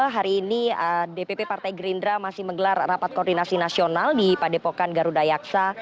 hari ini dpp partai gerindra masih menggelar rapat koordinasi nasional di padepokan garuda yaksa